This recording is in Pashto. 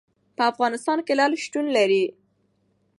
په افغانستان کې لعل شتون لري.